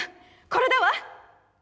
これだわ！